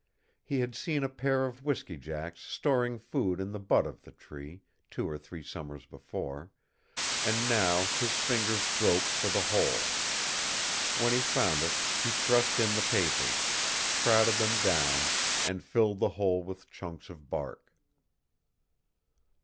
He had seen a pair of whisky jacks storing food in the butt of the tree, two or three summers before, and now his fingers groped for the hole. When he found it, he thrust in the papers, crowded them down, and filled the hole with chunks of bark.